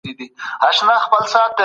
پرون مي له خپل پلار سره مرسته وکړه.